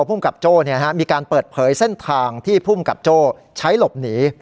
ภูมิกับโจ้มีการเปิดเผยเส้นทางที่ภูมิกับโจ้ใช้หลบหนี